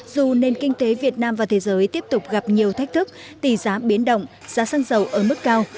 dù nền kinh tế việt nam và thế giới tiếp tục gặp nhiều thách thức tỷ giá biến động giá xăng dầu ở mức cao